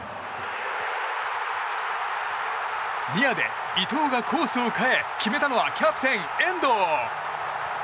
ニアで伊藤がコースを変え決めたのはキャプテン遠藤。